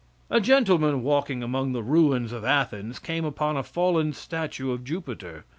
A gentleman walking among the ruins of Athens came upon a fallen statue of Jupiter.